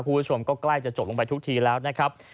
คุณผู้ชมก็ใกล้จะจบลงไปทุกทีแล้วนะครับ